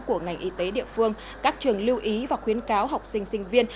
của ngành y tế địa phương các trường lưu ý và khuyến cáo học sinh sinh viên